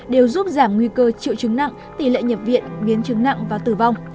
đều giúp giảm nguy cơ triệu chứng nặng tỷ lệ nhập viện biến chứng nặng và tử vong